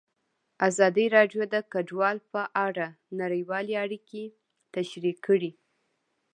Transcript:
ازادي راډیو د کډوال په اړه نړیوالې اړیکې تشریح کړي.